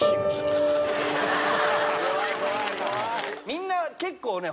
みんな結構ね